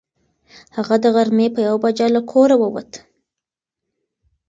هغه د غرمې په یوه بجه له کوره ووت.